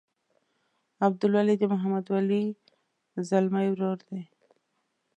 عبدالولي د محمد ولي ځلمي ورور دی.